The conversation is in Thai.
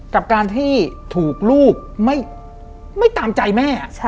กับการที่ถูกลูกไม่ตามใจแม่